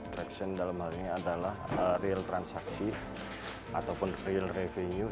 traction dalam hal ini adalah real transaksi ataupun real revenue